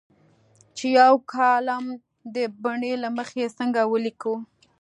چې یو کالم د بڼې له مخې څنګه ولیکو.